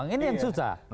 ini yang susah